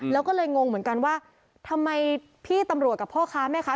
แล้วก็เลยงงเหมือนกันว่าทำไมพี่ตำรวจกับพ่อค้าแม่ค้า